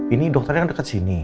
ini dokternya kan dekat sini